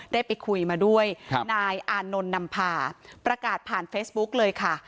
ได้ไปคุยมาด้วยครับนายอานนท์นำพาประกาศผ่านเฟซบุ๊กเลยค่ะ